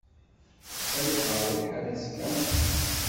Ad iqeεεed lḥal azekka?